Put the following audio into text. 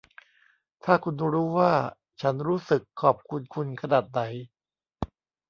ถ้าคุณรู้ว่าฉันรู้สึกขอบคุณคุณขนาดไหน